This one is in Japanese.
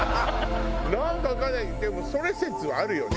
なんかわかんないでもそれ説あるよね？